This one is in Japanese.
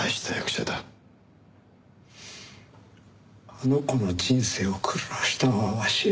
あの子の人生を狂わしたんはわしや。